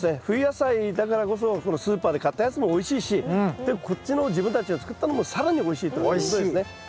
冬野菜だからこそこのスーパーで買ったやつもおいしいしでこっちの自分たちの作ったのも更においしいということですね。